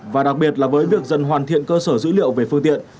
và đặc biệt là với việc dần hoàn thiện cơ sở dữ liệu về phương tiện